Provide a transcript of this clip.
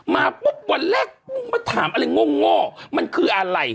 มาปุ๊บวันแรกมาถามอะไรง่วงง่อมันคืออะไร